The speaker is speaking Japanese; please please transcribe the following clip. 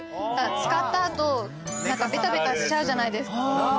使った後ベタベタしちゃうじゃない。